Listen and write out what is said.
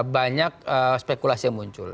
banyak spekulasi yang muncul